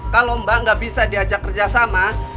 kalau mbak nggak bisa diajak kerjasama